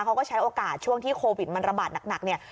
เขาก็ใช้โอกาสช่วงที่โควิดมันระบาดหนักเนี่ย